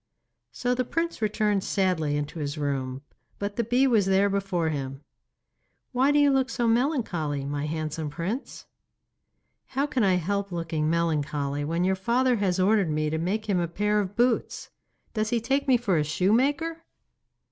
So the prince returned sadly into his room, but the bee was there before him. 'Why do you look so melancholy, my handsome Prince?' 'How can I help looking melancholy when your father has ordered me to make him a pair of boots? Does he take me for a shoemaker?